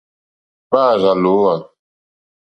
Hwá àrzà lǒhwà.